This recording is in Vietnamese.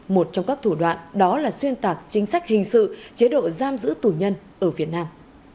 một trong các thủ đoạn đó là xuyên tạc chính sách hình sự chế độ giam giữ tù nhân ở việt nam